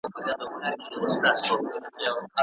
کوټه هماغه پخوانۍ ده خو احساس یې بدل دی.